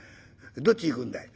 どっち行くんだい？」。